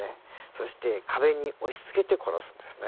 そして壁に押し付けて殺すんですね。